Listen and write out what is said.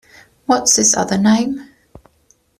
What’s his other name?